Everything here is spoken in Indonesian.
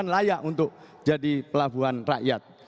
layak untuk jadi pelabuhan rakyat